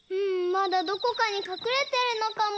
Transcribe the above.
まだどこかにかくれてるのかも。